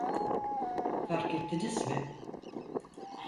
Fark ettiniz mi?